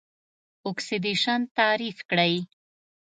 اکسیدیشن تعریف کړئ.